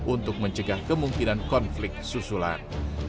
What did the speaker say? untuk mencegah kemungkinan konflik susulan